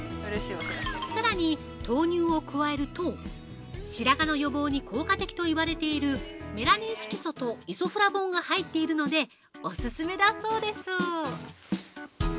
さらに豆乳を加えると、白髪の予防に効果的と言われているメラニン色素とイソフラボンが入っているので、オススメだそうです！